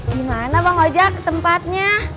gimana bang ojek tempatnya